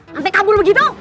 sampe kambul begitu